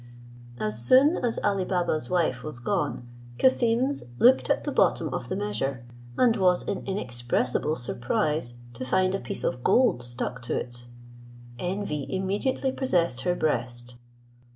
As soon as Ali Baba's wife was gone, Cassim's looked at the bottom of the measure, and was in inexpressible surprise to find a piece of gold stuck to it. Envy immediately possessed her breast.